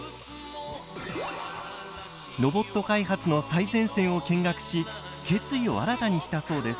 ロボット開発の最前線を見学し決意を新たにしたそうです。